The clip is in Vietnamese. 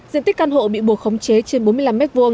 diện tích căn hộ bị buộc khống chế trên bốn mươi năm m hai